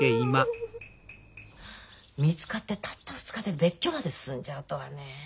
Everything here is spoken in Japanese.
見つかってたった２日で別居まで進んじゃうとはねえ。